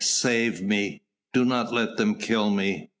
save me ... do not let them kill me....